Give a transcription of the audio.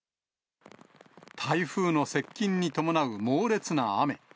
台風の接近に伴う猛烈な雨。